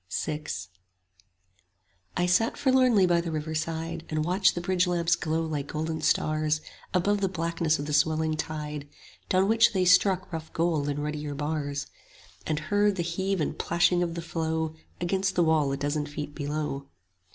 VI I sat forlornly by the river side, And watched the bridge lamps glow like golden stars Above the blackness of the swelling tide, Down which they struck rough gold in ruddier bars; And heard the heave and plashing of the flow 5 Against the wall a dozen feet below.